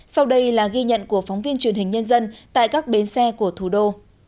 sau đây là ghi nhận của phóng viên truyền hình nhân dân tại các bến xe của thủ đô